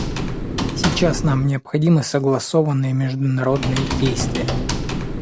Сейчас нам необходимы согласованные международные действия.